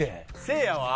せいやは？